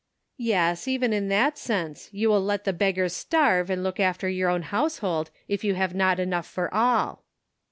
" Yes, even in that sense ; you will let the beggars starve and look after your own house hold, if you have not enough for all."